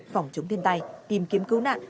phòng chống thiên tai tìm kiếm cứu nạn